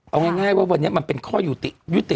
เอาง่ายว่าวันนี้มันเป็นข้อยุติยุติ